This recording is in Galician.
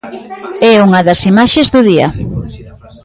É unha das imaxes do día.